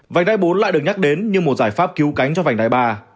vành đáy bốn lại được nhắc đến như một giải pháp cứu cánh cho vành đáy ba